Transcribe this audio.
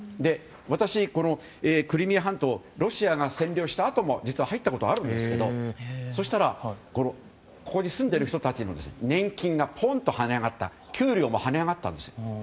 私、クリミア半島にロシアが占領したあとも実は入ったことがあるんですがそうしたらここに住んでいる人たちの年金が跳ね上がった給料も跳ね上がったんですよ。